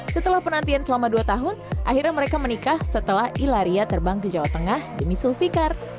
setelah penantian selama dua tahun akhirnya mereka menikah setelah ilaria terbang ke jawa tengah demi zulfikar